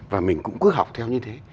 và mình cũng cứ học theo như thế